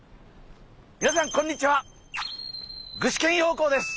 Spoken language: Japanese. みなさんこんにちは！